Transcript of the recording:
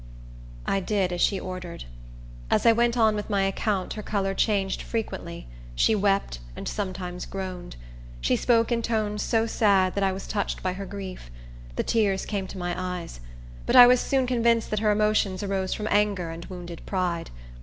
I did as she ordered. As I went on with my account her color changed frequently, she wept, and sometimes groaned. She spoke in tones so sad, that I was touched by her grief. The tears came to my eyes; but I was soon convinced that her emotions arose from anger and wounded pride.